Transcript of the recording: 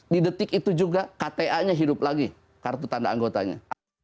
di detik itu juga kta nya hidup lagi kartu tanda anggotanya